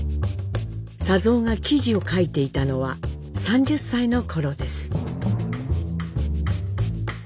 佐三が記事を書いていたのは３０歳の頃です。